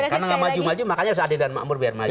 karena nggak maju maju makanya harus adil dan makmur biar maju